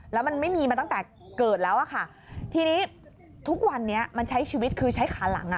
แล้วมันไม่มีมาตั้งแต่เกิดแล้วทุกวันนี้ใช้ชีวิตคือใช้ขาหลัง